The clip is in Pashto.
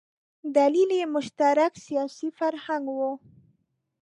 دلیل یې مشترک سیاسي فرهنګ و.